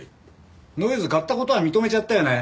ノイズ買った事は認めちゃったよね？